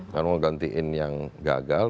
karena mau gantiin yang gagal